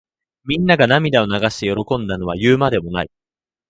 みんなが涙を流して喜んだのは言うまでもない。